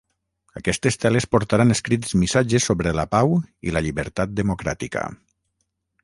Aquestes teles portaran escrits missatges sobre la pau i la llibertat democràtica.